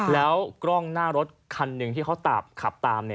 แล้วกล้องหน้ารถคันหนึ่งที่เขาขับตาม